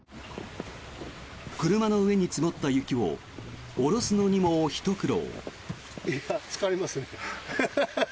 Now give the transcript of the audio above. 車の上に積もった雪を下ろすのにもひと苦労。